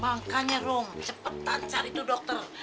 makanya rung cepetan cari tuh dokter